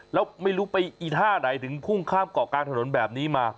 แล้วไม่รู้ไปอีท่าไหนถึงพุ่งข้ามเกาะกลางถนนแบบนี้มา